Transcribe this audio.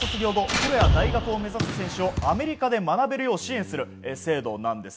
プロや大学を目指す選手をアメリカで学べるよう支援する制度なんです。